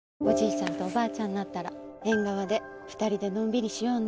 ちゃんとおばあちゃんになったら縁側で２人でのんびりしようね。